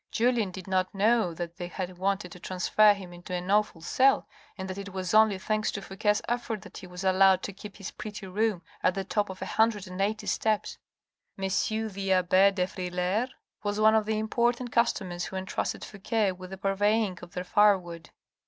Julien did not know that they had wanted to transfer him into an awful cell, and that it was only, thanks to Fouque's efforts, that he was allowed to keep his pretty room at the top of a hundred and eighty steps. M. the abbe de Frilair was one of the important customers who entrusted Fouqe with the purveying of their firewood.